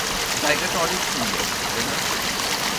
জায়গাটা অনেক সুন্দর, তাই না?